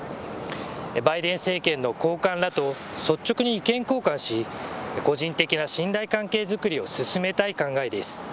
バイデン政権の高官らと率直に意見交換し個人的な信頼関係作りを進めたい考えです。